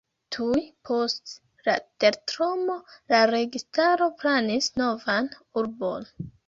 Tuj post la tertremo la registaro planis novan urbon.